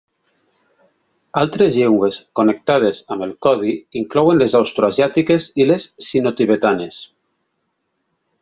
Altres llengües connectades amb el codi inclouen les austroasiàtiques i les sinotibetanes.